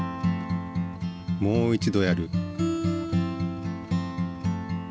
もう一度やる。